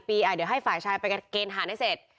เดี๋ยวให้ฝ่ายชายไปเกณฑ์ฐานให้เสร็จ